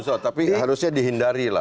nggak usah tapi harusnya dihindari lah